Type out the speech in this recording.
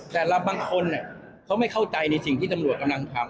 แต่เราบางคนเขาไม่เข้าใจในสิ่งที่ตำรวจกำลังทำ